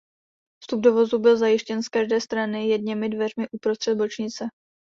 Vstup do vozu byl zajištěn z každé strany jedněmi dveřmi uprostřed bočnice.